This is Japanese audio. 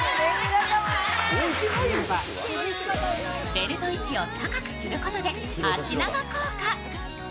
ベルト位置を高くすることで脚長効果。